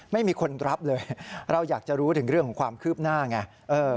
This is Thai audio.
ไม่มีคนรับเลยเราอยากจะรู้ถึงเรื่องของความคืบหน้าไง